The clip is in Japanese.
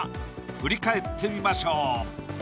振り返ってみましょう。